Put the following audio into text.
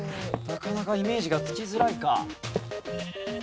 なかなかイメージがつきづらいか？